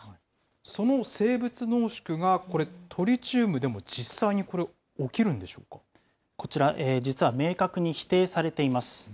その生物濃縮がこれ、トリチウムでも実際にこれ、起きるんでこちら、実は明確に否定されています。